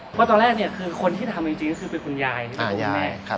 เพราะตอนแรกคือคนที่ทำจริงคือคุณยายคุณแม่